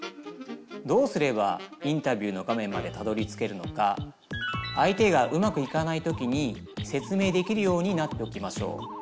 どうすればインタビューの画面までたどりつけるのか相手がうまくいかない時に説明できるようになっておきましょう。